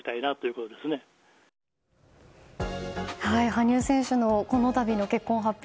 羽生選手のこの度の結婚発表